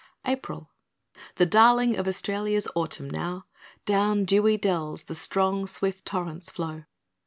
April The darling of Australia's Autumn now Down dewy dells the strong, swift torrents flow!